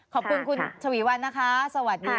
ขอบคุณคุณฉวีวันนะคะสวัสดีค่ะ